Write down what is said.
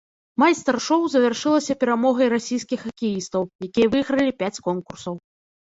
Майстар-шоў завяршылася перамогай расійскіх хакеістаў, якія выйгралі пяць конкурсаў.